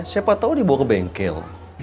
siapa tahu dibawa ke bengkel